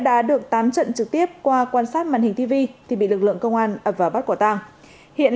đã được tám trận trực tiếp qua quan sát màn hình tv thì bị lực lượng công an ập vào bắt quả tàng hiện